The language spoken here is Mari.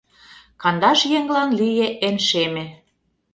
Кандаш еҥлан лие эн шеме.